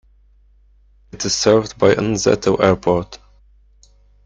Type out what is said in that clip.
It is served by N'zeto Airport.